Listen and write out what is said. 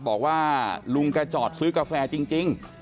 บอกว่าลุงแกจอดซื้อกาแฟจริง